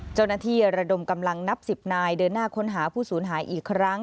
ระดมกำลังนับ๑๐นายเดินหน้าค้นหาผู้สูญหายอีกครั้ง